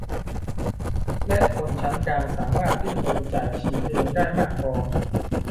และคนชั้นกลางสามารถดิ้นรนจ่ายฉีดเองได้มากพอ